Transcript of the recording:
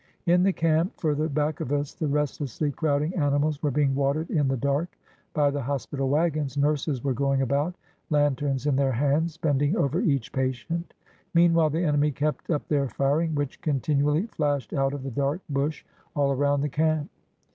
In the camp further back of us, the , restlessly crowding animals were being watered in the dark. By the hospital wagons nurses were going about, lanterns in their hands, bending over each patient. Meanwhile the enemy kept up their firing, which contin ually flashed out of the dark bush all around the camp.